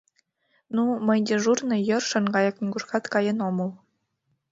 — Ну, мый дежурный, йӧршын гаяк нигушкат каен ом ул.